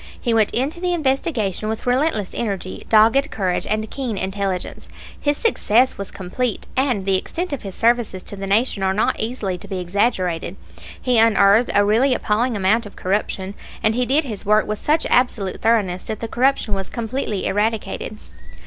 He went into the investigation with relentless energy, dogged courage, and keen intelligence. His success was complete, and the extent of his services to the Nation are not easily to be exaggerated. He unearthed a really appalling amount of corruption, and he did his work with such absolute thoroughness that the corruption was completely eradicated.